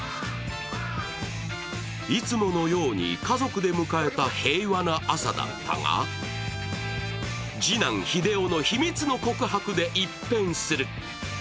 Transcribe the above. いつものように家族で迎えた平和な朝だったが次男・日出男の秘密の告白で一変する。